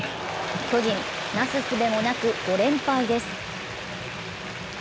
巨人、なすすべもなく５連敗です。